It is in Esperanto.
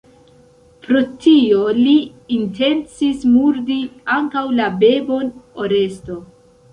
Pro tio li intencis murdi ankaŭ la bebon Oresto.